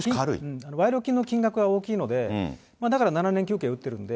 賄賂金の金額が大きいので、だから７年求刑をうってるんで。